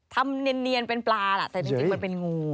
ทำเนียนเป็นปลาล่ะแต่จริงมันเป็นงู